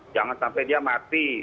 jangan sampai dia mati